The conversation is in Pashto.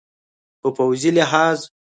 په پوځي لحاظ